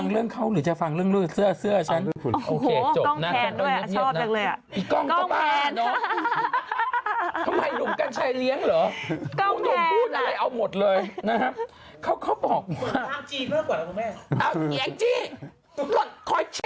ลูกพีชเหรอไอลูกพีช